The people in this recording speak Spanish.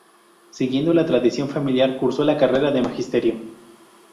Siguiendo la tradición familiar, cursó la carrera de Magisterio.